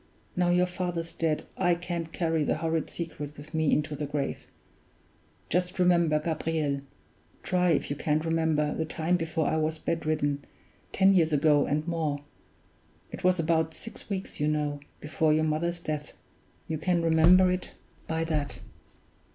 Now your father's dead, I can't carry the horrid secret with me into the grave. Just remember, Gabriel try if you can't remember the time before I was bedridden, ten years ago and more it was about six weeks, you know, before your mother's death; you can remember it by that.